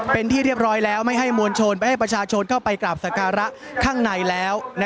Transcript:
เป็นที่เรียบร้อยแล้วไม่ให้มวลชนไม่ให้ประชาชนเข้าไปกราบสการะข้างในแล้ว